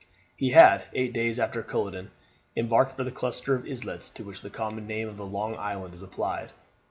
He had, eight days after Culloden, embarked for the cluster of islets to which the common name of Long Island is applied.